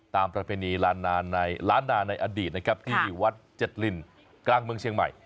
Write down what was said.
ประเพณีล้านนาในอดีตนะครับที่วัดเจ็ดลินกลางเมืองเชียงใหม่